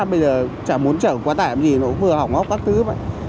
bây giờ chả muốn chở quá tải làm gì nó cũng vừa hỏng hóc các thứ vậy